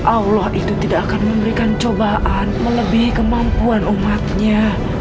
allah itu tidak akan memberikan cobaan melebihi kemampuan umatnya